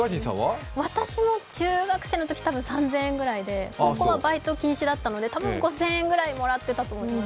私も中学生のとき、たぶん３０００円ぐらいで、高校はバイト禁止だったのでたぶん５０００円くらいもらってたと思います。